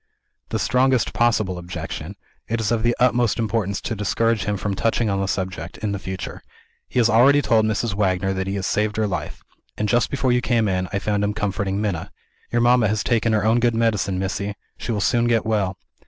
"The strongest possible objection. It is of the utmost importance to discourage him from touching on the subject, in the future. He has already told Mrs. Wagner that he has saved her life; and, just before you came in, I found him comforting Minna. 'Your mamma has taken her own good medicine, Missy; she will soon get well.'